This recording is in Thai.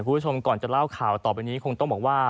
คุณผู้ชมก่อนจะเล่าข่าวต่อไปนี้คงต้องบอกว่า